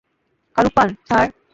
Karuppan, sir.